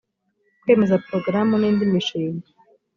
kwemeza porogaramu n indi mishinga